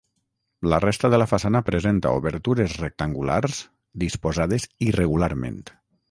La resta de la façana presenta obertures rectangulars, disposades irregularment.